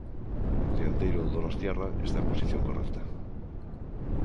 O dianteiro donostiarra está en posición correcta.